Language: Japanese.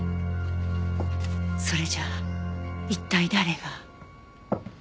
それじゃあ一体誰が？